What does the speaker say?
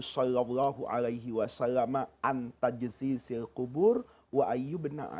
jadi hadis ini benar